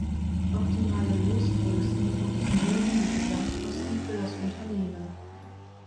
Optimale Losgrößen optimieren die Gesamtkosten für das Unternehmen.